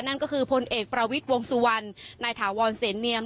นั่นก็คือพลเอกประวิทย์วงสุวรรณนายถาวรเสนเนียม